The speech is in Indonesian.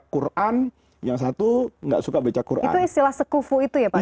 quran yang satu nggak suka baca quran itu istilah sekufu itu ya pak ya